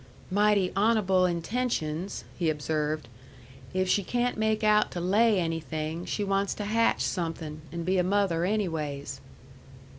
"Mighty hon'ble intentions," he observed. "If she can't make out to lay anything, she wants to hatch somethin', and be a mother anyways."